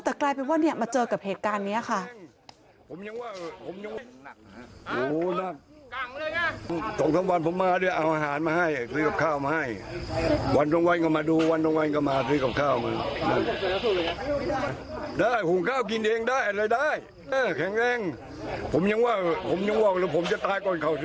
แต่กลายเป็นว่ามาเจอกับเหตุการณ์นี้ค่ะ